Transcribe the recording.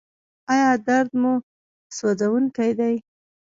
ایا درد مو سوځونکی دی؟